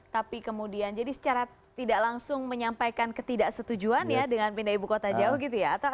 tapi kemudian jadi secara tidak langsung menyampaikan ketidaksetujuan ya dengan pindah ibu kota jauh gitu ya